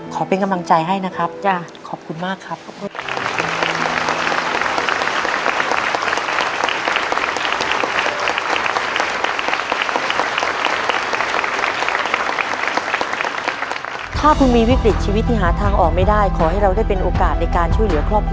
ขอเป็นกำลังใจให้นะครับขอบคุณมากครับ